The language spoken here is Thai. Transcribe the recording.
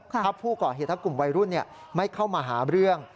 ถ้าผู้ก่อเหตุถ้ากลุ่มวัยรุ่นไม่เข้ามาหาเรื่อง